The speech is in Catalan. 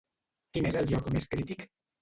Quin és el lloc més crític?